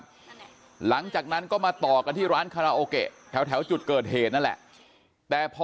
หลังจากนั้นก็มาต่อกันที่ร้านคาราโอเกะแถวจุดเกิดเหตุนั่นแหละแต่พอ